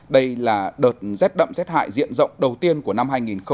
đây là đợt rét đậm rét hại diện rộng đầu tiên của năm hai nghìn hai mươi